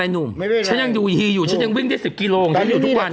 พี่เชื่ออย่างงั้นวดดำต้องทรมานก่อน๘วัน